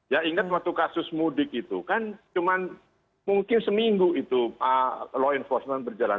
ya ingat waktu kasus mudik itu kan cuma mungkin seminggu itu law enforcement berjalan